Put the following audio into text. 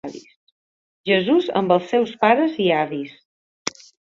Jesús amb els seus pares i avis.